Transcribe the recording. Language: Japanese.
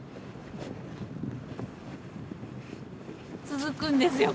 続くんですよ